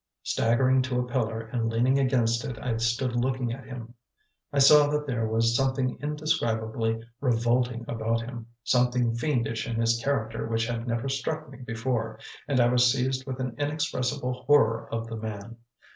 Staggering to a pillar, and leaning against it, I stood looking at him. I saw that there was something indescribably revolting about him, something fiendish in his character which had never struck me before, and I was seized with an inexpressible horror of the man.